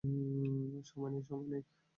সময় নেই, সময় নেই।